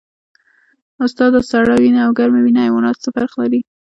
استاده سړه وینه او ګرمه وینه حیوانات څه فرق لري